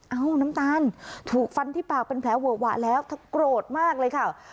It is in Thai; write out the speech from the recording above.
เอ้าน้ำตาลถูกฟันที่ปากเป็นแผลเวอะหวะแล้วเธอโกรธมากเลยค่ะ